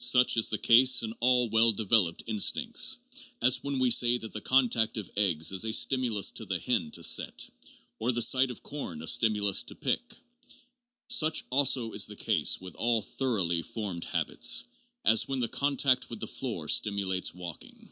Such is the case in all well developed instincts, as when we say that the contact of eggs is a stimulus to the hen to set ; or the sight of corn a stimulus to pick ; such also is the case with all thor oughly formed habits, as when the contact with the floor stimu lates walking.